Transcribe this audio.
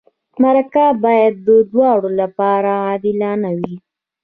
مرکه باید د دواړو لپاره عادلانه وي.